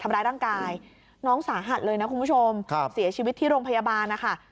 ทำร้ายร่างกายน้องสาหัสเลยนะคุณผู้ชมครับเสียชีวิตที่โรงพยาบาลนะคะ